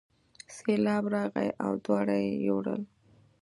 سیلاب راغی او دواړه یې یووړل.